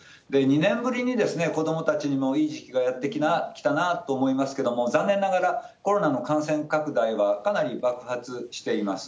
２年ぶりに子どもたちにもいい時期が来たなと思いますけれども、残念ながら、コロナの感染拡大はかなり爆発しています。